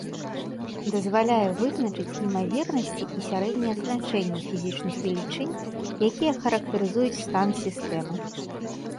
Дазваляе вызначыць імавернасці і сярэднія значэнні фізічных велічынь, якія характарызуюць стан сістэмы.